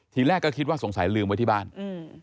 ทีแรกก็คิดว่าสงสัยลืมไว้ที่บ้านอืม